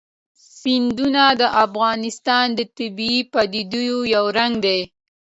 سیندونه د افغانستان د طبیعي پدیدو یو رنګ دی.